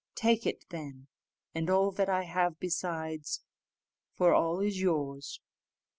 Take it then, and all that I have besides, for all is yours."